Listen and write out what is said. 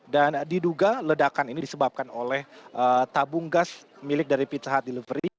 dan diduga ledakan ini disebabkan oleh tabung gas milik dari pizza hut delivery